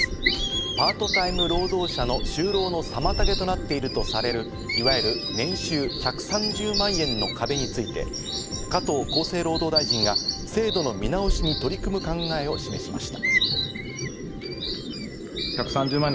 パートタイム労働者の就労の妨げとなっているとされる、いわゆる年収１３０万円の壁について、加藤厚生労働大臣が制度の見直しに取り組む考えを示しました。